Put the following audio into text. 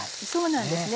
そうなんですね。